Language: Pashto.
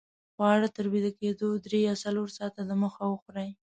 خواړه تر ویده کېدو درې یا څلور ساته دمخه وخورئ